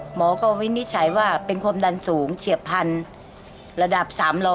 หมอก็วินิจฉัยว่าเป็นความดันสูงเฉียบพันธุ์ระดับ๓๐๐